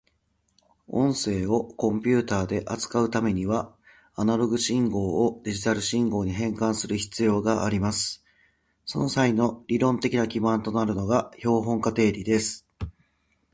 音声をコンピュータで扱うためには、アナログ信号をデジタル信号に変換する必要があります。その際の理論的な基盤となるのが標本化定理です。